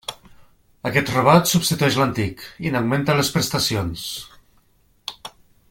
Aquest robot substitueix l'antic, i n'augmenta les prestacions.